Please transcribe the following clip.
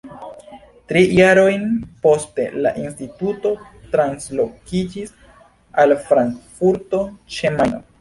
Tri jarojn poste la instituto translokiĝis al Frankfurto ĉe Majno.